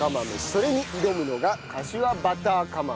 それに挑むのがかしわバター釜飯。